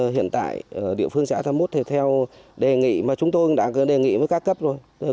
hiện tại địa phương xã tham một thì theo đề nghị mà chúng tôi đã đề nghị với các cấp rồi